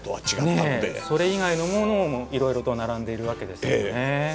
それ以外のものもいろいろと並んでいるわけですよね。